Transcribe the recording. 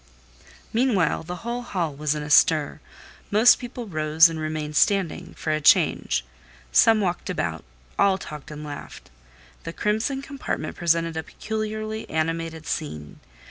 Meantime the whole hall was in a stir; most people rose and remained standing, for a change; some walked about, all talked and laughed. The crimson compartment presented a peculiarly animated scene.